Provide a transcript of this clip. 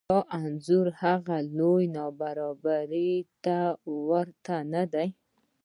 دا انځور هغه لویې نابرابرۍ ته ورته نه دی